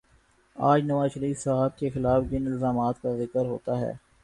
آج نوازشریف صاحب کے خلاف جن الزامات کا ذکر ہوتا ہے،